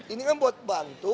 ini kan buat bantu